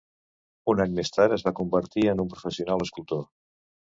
Un any més tard es va convertir en un professional escultor.